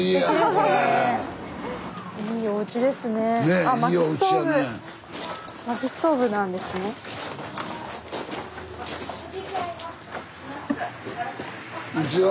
こんにちは。